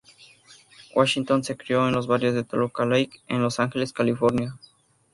Washington se crió en el barrio de Toluca Lake en Los Ángeles, California.